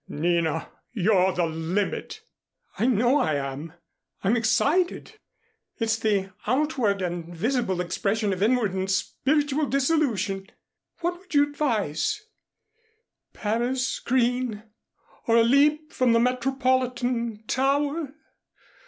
"Nina, you're the limit." "I know I am I'm excited. It's the outward and visible expression of inward and spiritual dissolution. What would you advise, Paris green or a leap from the Metropolitan Tower?